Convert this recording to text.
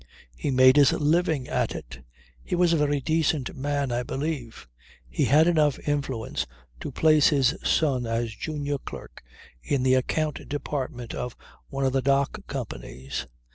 He made his living at it. He was a very decent man I believe. He had enough influence to place his only son as junior clerk in the account department of one of the Dock Companies.